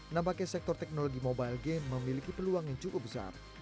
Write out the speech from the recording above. nampaknya sektor teknologi mobile game memiliki peluang yang cukup besar